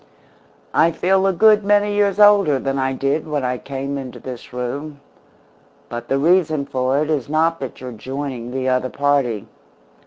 I feel a good many years older than I did when I came into this room, but the reason for it is not that you're joining the other party.